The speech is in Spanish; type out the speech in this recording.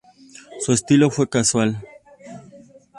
Su estilo fue casual.